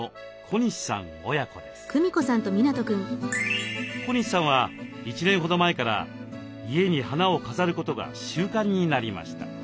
小西さんは１年ほど前から家に花を飾ることが習慣になりました。